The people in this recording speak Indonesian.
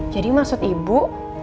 jadi maksud ibu